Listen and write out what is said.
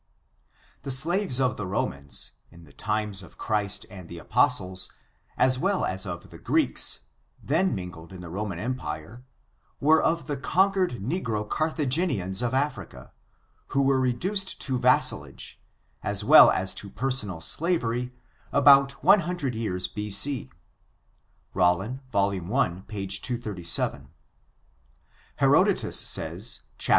The slaves of the Romans, in the times of Christ and the apostles, as well as of the Greeks, then min gled in the Roman empire, were of the conquered negro Carthaginians of Africa, who were reduced to vassalage, as well as to personal slavery, about one hundred years B. C. — Rollin, Vol. /, page 237. Herod otus says, chap.